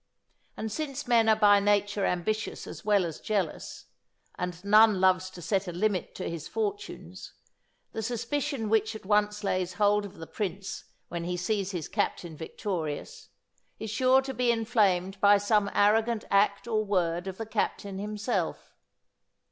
And since men are by nature ambitious as well as jealous, and none loves to set a limit to his fortunes, the suspicion which at once lays hold of the prince when he sees his captain victorious, is sure to be inflamed by some arrogant act or word of the captain himself.